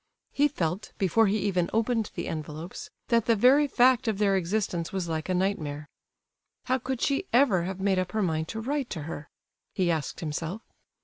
He felt, before he even opened the envelopes, that the very fact of their existence was like a nightmare. How could she ever have made up her mind to write to her? he asked himself.